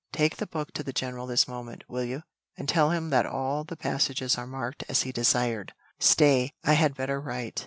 "Take the book to the general this moment, will you, and tell him that all the passages are marked as he desired; stay, I had better write."